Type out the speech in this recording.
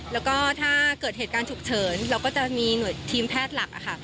แล้วก็ถ้าเกิดเหตุการณ์ฉุกเฉินเราก็จะมีหน่วยทีมแพทย์หลัก